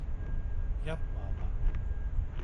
Yapma ama.